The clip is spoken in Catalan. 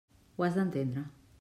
Ho has d'entendre.